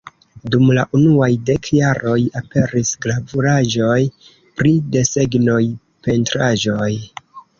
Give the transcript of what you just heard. Dum la unuaj dek jaroj, aperis gravuraĵoj pri desegnoj, pentraĵoj.